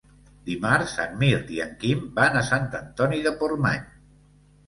Dimarts en Mirt i en Quim van a Sant Antoni de Portmany.